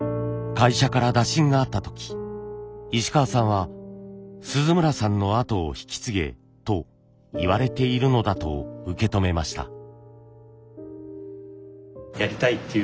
会社から打診があった時石川さんは鈴村さんの後を引き継げといわれているのだと受け止めました。